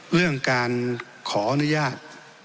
เรื่องการขออนุญาต